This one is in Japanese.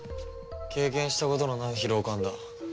経験したことのない疲労感だ。